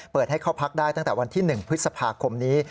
เปิดให้เข้าพักได้ตั้งแต่วันที่๑พฤษภาคมนี้